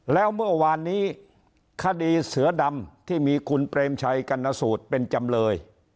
แล้วเมื่อวานนี้คดีเสือดำที่มีคุณเปรมชัยกรรณสูตรเป็นจำเลย